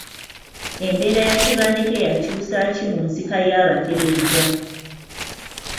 Embeera ya Tebandeke yakyusa ki mu nsika y'Abateregga?